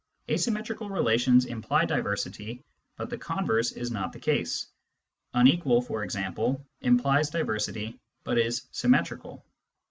Asymmetrical relations imply diversity, but the converse is not the case. " Unequal," for example, implies diversity, but is symmetrical.